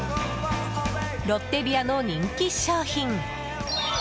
ロッテリアの人気商品